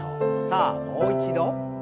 さあもう一度。